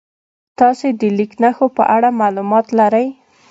تاسې د لیک نښو په اړه معلومات لرئ؟